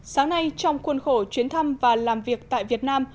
sáng nay trong khuôn khổ chuyến thăm và làm việc tại việt nam